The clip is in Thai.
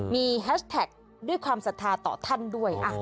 มีแฮชแท็กด้วยความศรัทธาต่อท่านด้วย